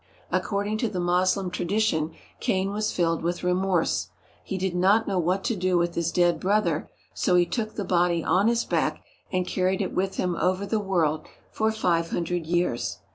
According to the Moslem tradition, Cain was filled with remorse. He did not know what to do with his dead brother, so he took the body on his back and carried it with him over the world for five hundred years.